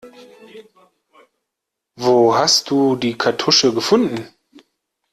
Wo hast du die Kartusche gefunden?